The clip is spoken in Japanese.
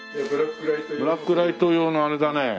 ブラックライト用のあれだね。